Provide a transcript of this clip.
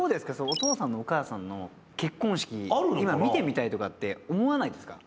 お父さんとお母さんの結婚式今見てみたいとかって思わないですか？